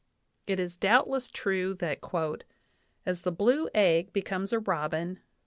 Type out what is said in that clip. It is doubtless true that "as the blue egg becomes a robin, ...